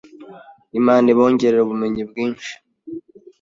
Imana ibongerere ubumenyi bwinshi